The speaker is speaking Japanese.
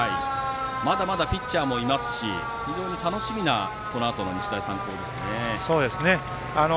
まだまだピッチャーもいますし非常に楽しみなこのあとの日大三高ですね。